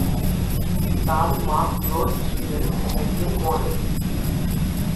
তার মা রোজ ছিলেন একজন মডেল।